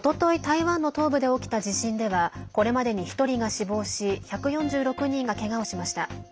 台湾の東部で起きた地震ではこれまでに１人が死亡し１４６人がけがをしました。